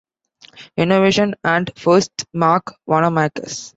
Innovation and "firsts" marked Wanamaker's.